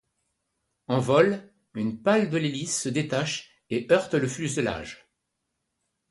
En vol, une pale de l’hélice se détache et heurte le fuselage.